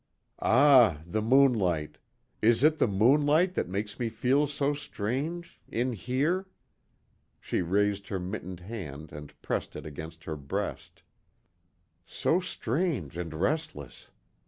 "Ah, the moonlight is it the moonlight that makes me feel so strange in here?" she raised her mittened hand and pressed it against her breast, "So strange and restless.